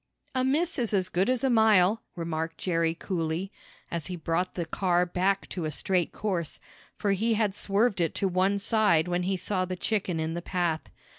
"A miss is as good as a mile," remarked Jerry coolly, as he brought the car back to a straight course, for he had swerved it to one side when he saw the chicken in the path.